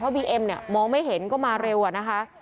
เพราะว่าบีเอ็มมองไม่เห็นก็มาเร็วนะคะ